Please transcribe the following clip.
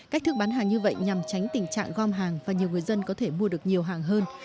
cách thức bán hàng như vậy nhằm tránh tình trạng gom hàng và nhiều người dân có thể mua được nhiều hàng hơn